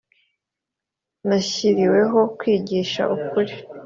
nashyiriweho kwigisha ukuri